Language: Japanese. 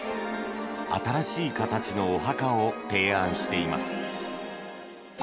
新しい形のお墓を提案しています。